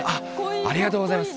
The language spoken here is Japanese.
ありがとうございます。